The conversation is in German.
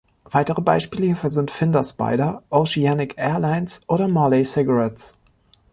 Weitere Beispiele hierfür sind Finder-Spyder, Oceanic Airlines oder Morley Cigarettes.